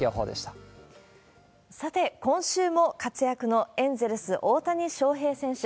さて、今週も活躍のエンゼルス、大谷翔平選手。